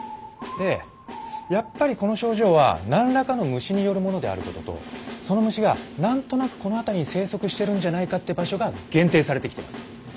でやっぱりこの症状は何らかの虫によるものであることとその虫が何となくこの辺りに生息してるんじゃないかって場所が限定されてきてます。